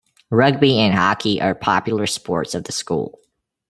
Rugby and Hockey are popular sports at the school.